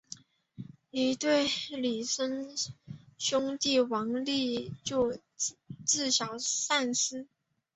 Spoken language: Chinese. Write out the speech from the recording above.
一对孪生兄弟王利就自小失散。